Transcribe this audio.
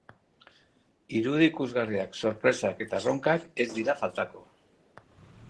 Irudi ikusgarriak, sorpresak eta erronkak ez dira faltako.